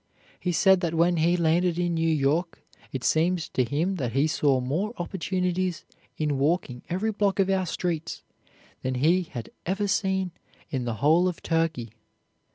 He said that when he landed in New York it seemed to him that he saw more opportunities in walking every block of our streets than he had ever seen in the whole of Turkey.